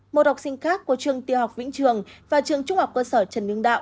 một học sinh khác của trường tiêu học vĩnh trường và trường trung học cơ sở trần hưng đạo